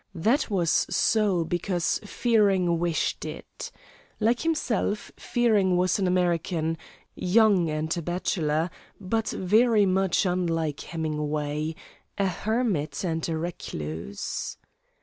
That was so because Fearing wished it. Like himself, Fearing was an American, young, and a bachelor, but, very much unlike Hemingway, a hermit and a recluse.